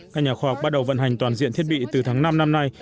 các nhà khoa học bắt đầu vận hành toàn diện thiết bị từ tháng năm năm nay